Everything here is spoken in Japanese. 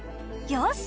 よし！